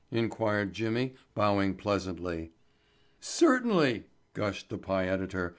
inquired Jimmy bowing pleasantly. "Certainly," gushed the pie editor.